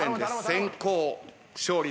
先攻勝利